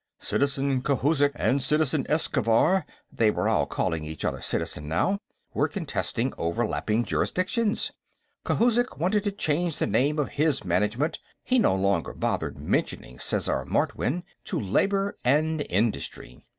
Citizen Khouzhik and Citizen Eschkhaffar they were all calling each other Citizen, now were contesting overlapping jurisdictions. Khouzhik wanted to change the name of his Management he no longer bothered mentioning Sesar Martwynn to Labor and Industry.